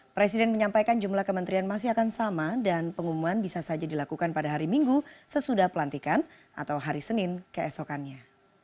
presiden menyampaikan jumlah kementerian masih akan sama dan pengumuman bisa saja dilakukan pada hari minggu sesudah pelantikan atau hari senin keesokannya